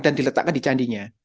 dan diletakkan di candinya